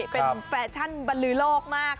เป็นแฟชั่นบรรลือโลกมาก